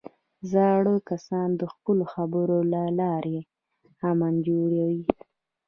زاړه کسان د خپلو خبرو له لارې امن جوړوي